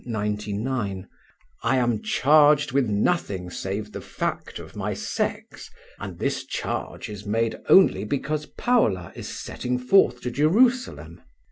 xcix): "I am charged with nothing save the fact of my sex, and this charge is made only because Paula is setting forth to Jerusalem."